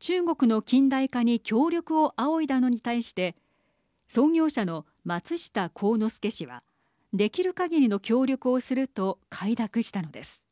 中国の近代化に協力を仰いだのに対して創業者の松下幸之助氏はできるかぎりの協力をすると快諾したのです。